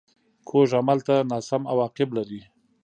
کوږ عمل تل ناسم عواقب لري